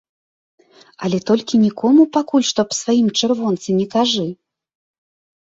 Але толькі нікому пакуль што аб сваім чырвонцы не кажы.